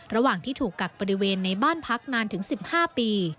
ระหว่างที่ถูกกักบริเวณในบ้านพักนานถึง๑๕ปี